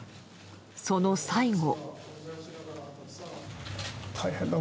その最後。